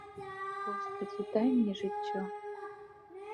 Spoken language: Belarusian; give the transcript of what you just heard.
Госпадзі, дай мне жыццё!